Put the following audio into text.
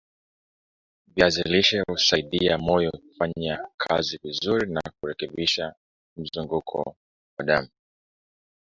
viazi lishe husaidia moyo kufanyakazi vizuri na kurekebisha mzunguko wa damu